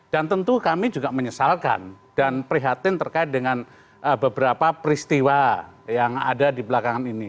dan tentu kami juga menyesalkan dan prihatin terkait dengan beberapa peristiwa yang ada di belakangan ini